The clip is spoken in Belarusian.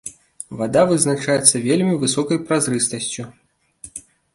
Вада вызначаецца вельмі высокай празрыстасцю.